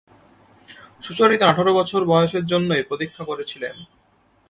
সুচরিতার আঠারো বছর বয়সের জন্যই প্রতীক্ষা করছিলেম।